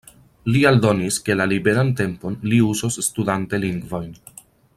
Li aldonis, ke la liberan tempon li uzos studante lingvojn.